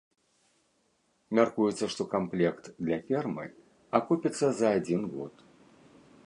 Мяркуецца, што камплект для фермы акупіцца за адзін год.